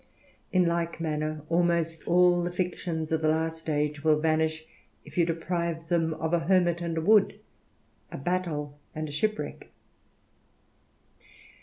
Ill like manner almost all the fictions of the last •gB will vanish, if you deprive them of a hermit and a wood, a battle snd a shipwreck.